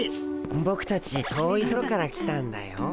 ボクたち遠い所から来たんだよ。